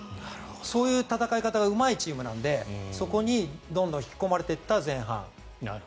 そういう戦い方がうまいチームなんでそこにどんどん引き込まれていった前半。